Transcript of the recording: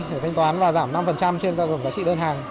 để thanh toán và giảm năm trên giá trị đơn hàng